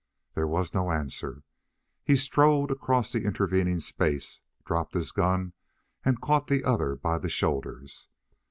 There was no answer. He strode across the intervening space, dropped his gun and caught the other by the shoulders.